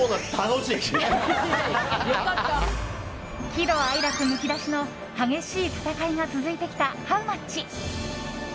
喜怒哀楽むき出しの激しい戦いが続いてきたハウマッチ。